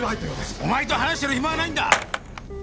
お前と話してる暇はないんだ！